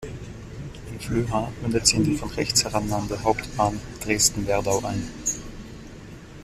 In Flöha mündet sie in die von rechts herannahende Hauptbahn Dresden–Werdau ein.